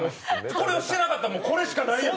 これ知らなかったらこれしかないやろ。